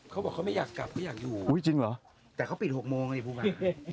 เขาบอกเขาไม่อยากกลับเขาอยากอยู่อุ้ยจริงเหรอแต่เขาปิดหกโมงไงพูดมา